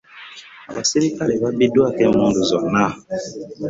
Abaserikale babbiddwako emmundu zonna.